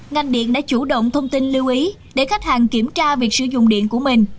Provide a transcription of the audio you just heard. ngành điện đã chủ động thông tin lưu ý để khách hàng kiểm tra việc sử dụng điện của mình